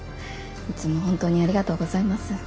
いつも本当にありがとうございます。